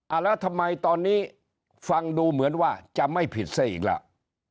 แล้วทำไมตอนนี้ฟังดูเหมือนว่าจะไม่ผิดซะอีกแล้ว